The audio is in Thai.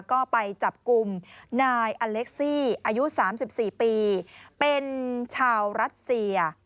ก็ไปจับกลุ่มนายอเล็กซี่อายุ๓๔ปีเป็นชาวรัสเซีย